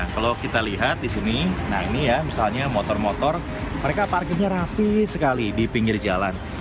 kalau kita lihat di sini nah ini ya misalnya motor motor mereka parkirnya rapi sekali di pinggir jalan